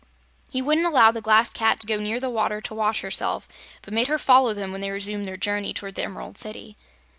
He wouldn't allow the Glass Cat to go near the water, to wash herself, but made her follow them when they resumed their journey toward the Emerald City.